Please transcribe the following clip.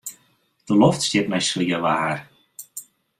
De loft stiet nei swier waar.